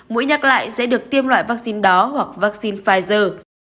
mũi nhắc lại sẽ được tiêm loại vaccine đó hoặc vaccine pfizer